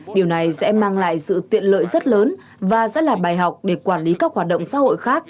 điều này sẽ mang lại sự tiện lợi rất lớn và sẽ là bài học để quản lý các hoạt động xã hội khác